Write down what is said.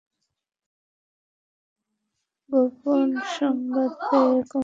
গোপন সংবাদ পেয়ে কমলাপুর স্টেশনের তিন নম্বর প্লাটফরমে তাঁকে তল্লাশি করা হয়।